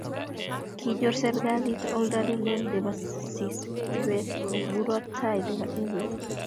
kiinyoru serikalit oldo ne lel nebo sistime eng' murot tai nebo emet